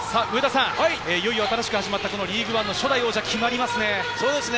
いよいよ新しく始まったリーグワンの初代王者が決まりますね。